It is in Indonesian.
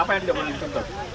apa yang tidak boleh disukai